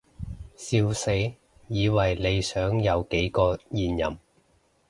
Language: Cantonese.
笑死，以為你想有幾個現任